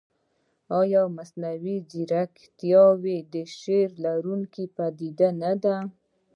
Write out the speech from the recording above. ایا مصنوعي ځیرکتیا د شعور لرونکې پدیده نه ده؟